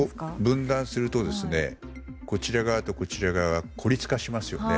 分断するとこちら側とこちら側が孤立化しますよね。